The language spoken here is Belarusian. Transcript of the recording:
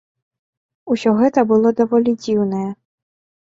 Усё гэта было даволі дзіўнае.